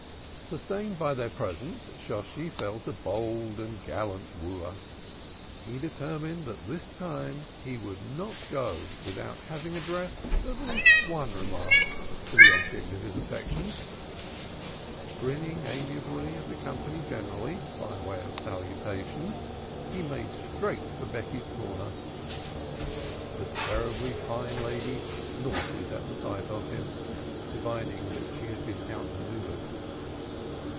Sustained by their presence, Shosshi felt a bold and gallant wooer. He determined that this time he would not go without having addressed at least one remark to the object of his affections. Grinning amiably at the company generally, by way of salutation, he made straight for Becky's corner. The terribly fine lady snorted at the sight of him, divining that she had been out manoeuvred.